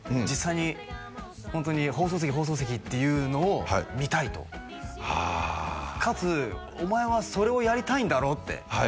実際にホントに「放送席放送席」って言うのを見たいとはあかつ「お前はそれをやりたいんだろ」って